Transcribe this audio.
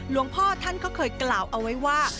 หลวงพ่อท่านก็เคยกล่าวเอาไว้ว่า